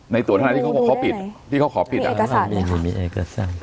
ในตัวทนายที่เขาเขาปิดที่เขาขอปิดอ่ะมีเอกสารมีเอกสาร